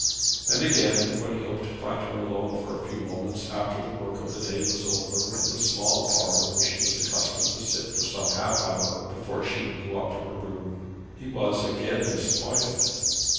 And again, when he hoped to find her alone for a few moments after the work of the day was over in the small parlour where she was accustomed to sit for some half hour before she would go up to her room, he was again disappointed.